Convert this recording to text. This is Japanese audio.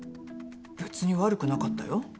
べつに悪くなかったよ。